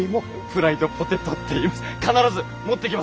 フライドポテトっていいます。